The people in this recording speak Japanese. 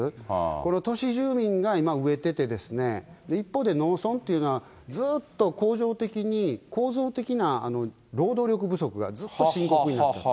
この都市住民が今、飢えてて、一方で農村っていうのは、ずっと恒常的に、恒常的な労働力不足がずっと深刻になっている。